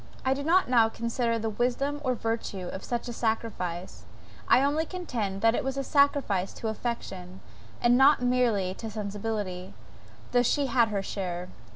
I do not now consider the wisdom or virtue of such a sacrifice, I only contend that it was a sacrifice to affection, and not merely to sensibility, though she had her share.